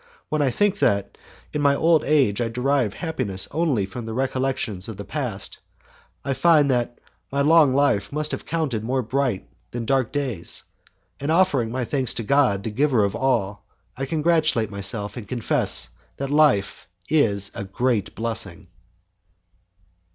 When I think that in my old age I derive happiness only from my recollections of the past, I find that my long life must have counted more bright than dark days, and offering my thanks to God, the Giver of all, I congratulate myself, and confess that life is a great blessing.